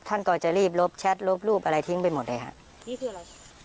ท่านก็จะรีบลบแชทลบรูปอะไรทิ้งไปหมดเลยฮะนี่คืออะไร